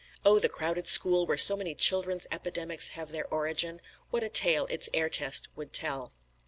Oh, the crowded school, where so many children's epidemics have their origin, what a tale its air test would tell!"